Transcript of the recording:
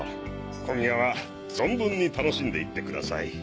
今夜は存分に楽しんでいってください。